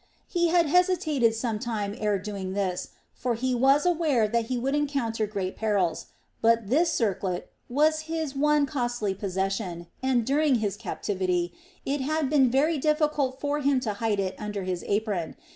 He had hesitated some time ere doing this; for he was aware that he would encounter great perils; but this circlet was his one costly possession and, during his captivity, it had been very difficult for him to hide it under his apron.